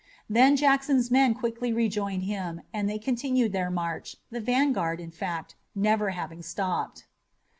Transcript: Then Jackson's men quickly rejoined him and they continued their march, the vanguard, in fact, never having stopped.